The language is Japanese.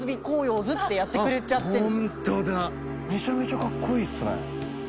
めちゃめちゃかっこいいっすね。